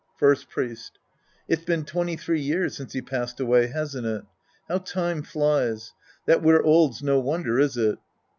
First Priest. It's been twenty three years since he passed away, hasn't it ? How time flies ! That we're old's no wonder, is it